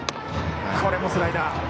これもスライダー。